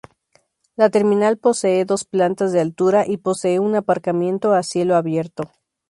La terminal posee dos plantas de altura y posee un aparcamiento a cielo abierto.